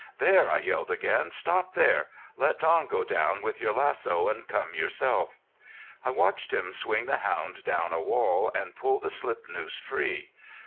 "There," I yelled again, "stop there; let Don go down with your lasso, and come yourself." I watched him swing the hound down a wall, and pull the slip noose free.